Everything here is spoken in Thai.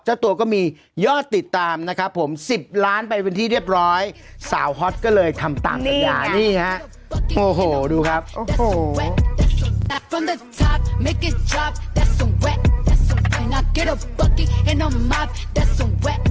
เจ้าตัวก็มียอดติดตามนะครับผม๑๐ล้านไปเป็นที่เรียบร้อยสาวฮอตก็เลยทำตามสัญญานี่ฮะโอ้โหดูครับโอ้โห